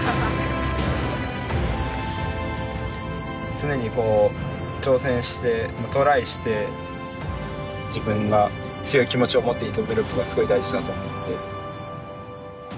常にこう挑戦してトライして自分が強い気持ちを持って挑めるかがすごい大事だと思うんで。